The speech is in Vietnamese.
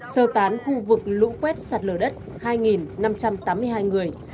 sơ tán khu vực lũ quét sạt lở đất hai năm trăm tám mươi hai người